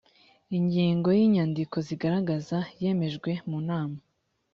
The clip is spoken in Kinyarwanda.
ingingo y’inyandiko zigaragaza yemejwe munama.